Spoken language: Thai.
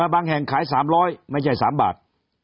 บางแห่งขาย๓๐๐ไม่ใช่๓บาท